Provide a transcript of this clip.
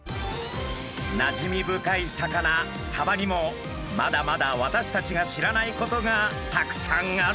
なじみ深い魚サバにもまだまだ私たちが知らないことがたくさんあるんですね。